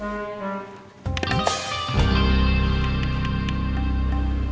bapak mau jual tanahnya